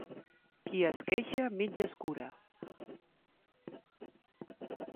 Qui es queixa mig es cura.